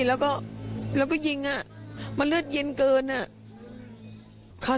แล้วก็แล้วก็ยิงอ่ะมันเลือดเย็นเกินอ่ะ